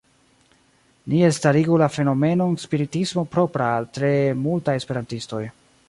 Ni elstarigu la fenomenon “spiritismo propra al tre multaj esperantistoj.